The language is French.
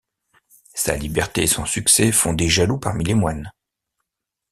Sa liberté et son succès font des jaloux parmi les moines.